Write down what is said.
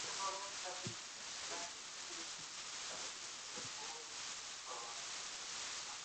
که لمر راوخېژي، نو هوا به یو څه توده سي.